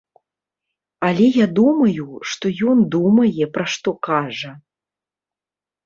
Але я думаю, што ён думае, пра што кажа.